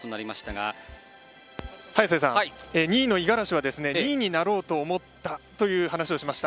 早瀬さん、２位の五十嵐は２位になろうと思ったという話をしていました。